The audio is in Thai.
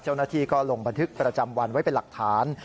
เจ้าหน้าที่ก็ลงบันทึกประจำวันไว้เป็นหลักฐาน